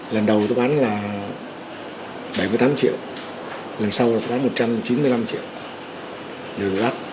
lần đầu tôi bán là bảy mươi tám triệu lần sau tôi bán một trăm chín mươi năm triệu